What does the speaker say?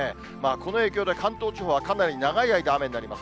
この影響で、関東地方はかなり長い間雨になります。